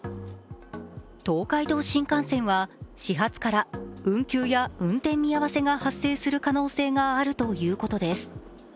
東海道新幹線は始発から運休や運転見合わせが発生する可能性があるということです。